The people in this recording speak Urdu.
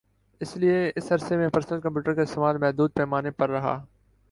اس لئے اس عرصے میں پرسنل کمپیوٹر کا استعمال محدود پیمانے پر رہا